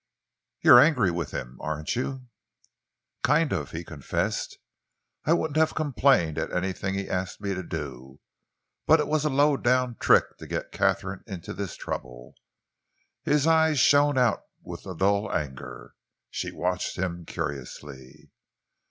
"You're angry with him, aren't you?" "Kind of," he confessed. "I wouldn't have complained at anything he'd asked me to do, but it was a low down trick to get Katharine into this trouble." His eyes shone out with a dull anger. She watched him curiously.